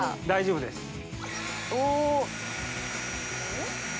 大丈夫です。